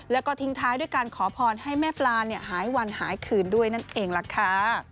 แล้วก็ทิ้งท้ายด้วยการขอพรให้แม่ปลาหายวันหายคืนด้วยนั่นเองล่ะค่ะ